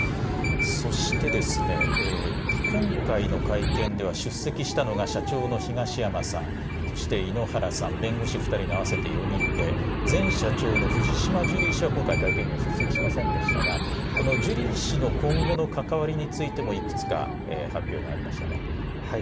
そしてですね、今回の会見では出席したのが社長の東山さん、そして、井ノ原さん、弁護士２人の合わせて４人で、前社長の藤島ジュリー氏は今回、会見には出席しませんでしたが、このジュリー氏の今後の関わりについても、いくつか発表がありましたね。